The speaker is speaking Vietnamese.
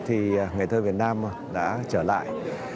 thì ngày thơ việt nam đã trở lại